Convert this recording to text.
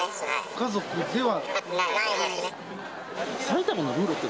家族では？